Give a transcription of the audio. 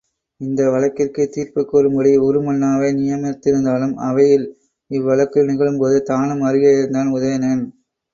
இந்த வழக்கிற்குத் தீர்ப்புக் கூறும்படி உருமண்ணுவாவை நியமித்திருந்தாலும், அவையில் இவ் வழக்கு நிகழும்போது தானும் அருகே இருந்தான் உதயணன்.